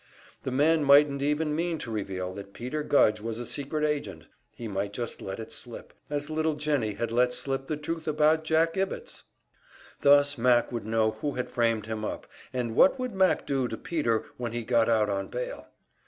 The man mightn't even mean to reveal that Peter Gudge was a secret agent; he might just let it slip, as little Jennie had let slip the truth about Jack Ibbetts! Thus Mac would know who had framed him up; and what would Mac do to Peter when he got out on bail?